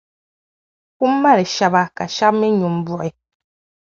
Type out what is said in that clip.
kum mali shɛba ka shɛb’ mi nyu m-buɣi.